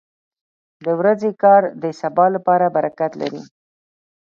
• د ورځې کار د سبا لپاره برکت لري.